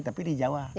tapi di jawa